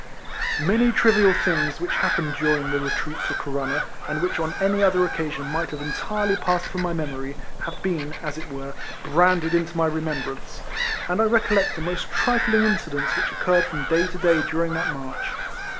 Many trivial things which happened during the retreat to Corunna, and which on any other occasion might have entirely passed from my memory, have been, as it were, branded into my remembrance, and I recollect the most trifling incidents which occurred from day to day during that march.